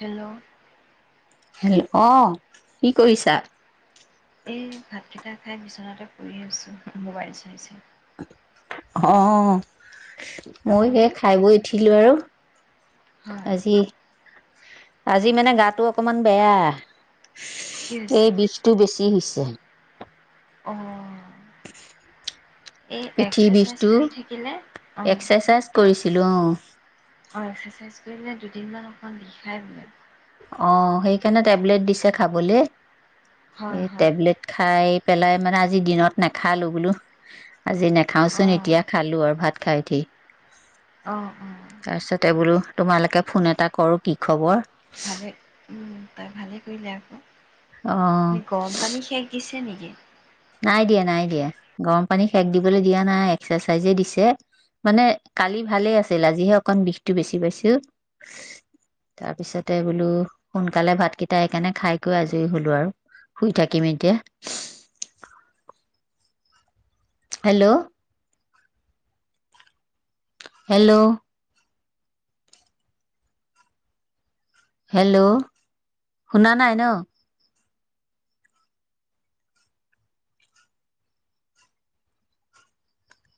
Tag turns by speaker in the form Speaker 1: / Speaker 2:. Speaker 1: Hello
Speaker 2: hello অ কি কৰিছা
Speaker 1: এই ভাতকেইটা খাই বিচনাতে শুই আছোঁ মোবাইল চাই চাই
Speaker 2: অ মই সে
Speaker 1: আপুনি?
Speaker 2: খাই বৈ উঠিলো আৰু
Speaker 1: হয়,
Speaker 2: আজি আজি মানে গাটো অকমান বেয়া
Speaker 1: কি
Speaker 2: এই
Speaker 1: হৈছে?
Speaker 2: বিষটো বেছি হৈছে
Speaker 1: অ'। এই
Speaker 2: পিঠি
Speaker 1: এক্সাৰচাইজ
Speaker 2: বিষটো
Speaker 1: কৰি থাকিলে অঁ
Speaker 2: এক্সাৰচাইজ কৰিছিলো
Speaker 1: ৰেষ্ট কৰিলে দুদিনমান অকণ বিখাই বোলে
Speaker 2: অ সেইকাৰণে টেবলেট দিছে খাবলে
Speaker 1: হয়
Speaker 2: এই
Speaker 1: হয়
Speaker 2: টেবলেট খাই পেলাই মানে আজি দিনত নাখালো বোলো আজি নাখাওচোন
Speaker 1: অঁ
Speaker 2: এতিয়া খালো আৰু ভাত খাই উঠি
Speaker 1: অঁ অঁ
Speaker 2: তাৰপিছতে বোলো তোমালোকে ফোন এটা কৰো কি খবৰ
Speaker 1: ভালেই তই ভালেই কৰিলি আকৌ
Speaker 2: অ'
Speaker 1: সি গৰম পানী সেষ দিছে নেকি কি
Speaker 2: নাই দিয়া নাই দিয়া গৰম পানী সেক দিবলৈ দিয়া নাই এক্সাৰচাইজে দিছে মানে কালি ভালেই আছিল আজিহে অকন বিষটো বেছি পাইছো তাৰপিছতে বোলো সোনকালে ভাতকেইটা সেইকাৰণে খাইকৈ আজৰি হলো আৰু শুই থাকিম এতিয়া হেল্ল' হেল্ল' হেল্ল' শুনা নাই ন